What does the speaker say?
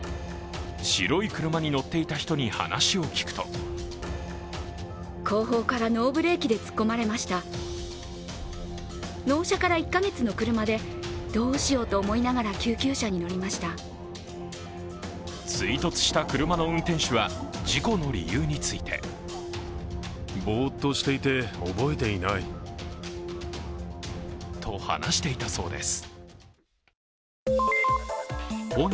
白い車に乗っていた人に話を聞くと追突した車の運転手は事故の理由についてと話していたそうです。